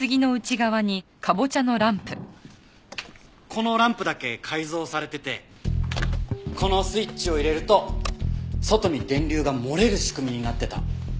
このランプだけ改造されててこのスイッチを入れると外に電流が漏れる仕組みになってた。